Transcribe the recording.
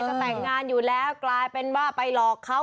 จะแต่งงานอยู่แล้วกลายเป็นว่าไปหลอกเขา